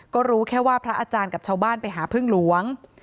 ก็รู้แค่ว่าพระอาจารย์กับชาวบ้านไปหาพึ่งหลวง